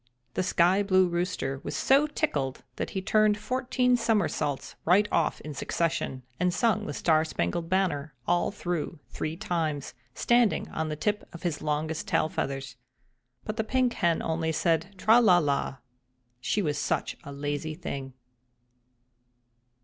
The Sky blue Rooster was so tickled that he turned fourteen somersaults right off in succession, and sung "The Star Spangled Banner" all through three times, standing on the tip of his longest tail feathers. But the Pink Hen only said "Tra la la!" she was such a lazy thing.